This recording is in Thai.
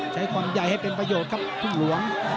ใช้ความใหญ่ให้เป็นประโยชน์ครับพึ่งหลวง